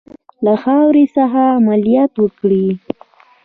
له خاورې څخه عملیات وکړي.